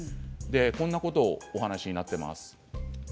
こんなことをお話しになっています。